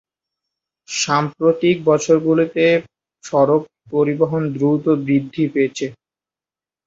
সাম্প্রতিক বছরগুলিতে সড়ক পরিবহন দ্রুত বৃদ্ধি পেয়েছে।